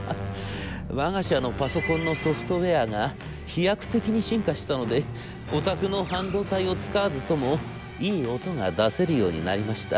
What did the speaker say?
『わが社のパソコンのソフトウェアが飛躍的に進化したのでお宅の半導体を使わずともいい音が出せるようになりました。